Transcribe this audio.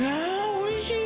おいしい